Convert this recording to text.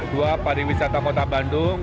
dua pariwisata kota bandung